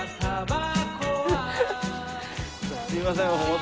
すいません。